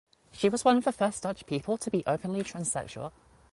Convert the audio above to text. She was one of the first Dutch people to be openly transsexual.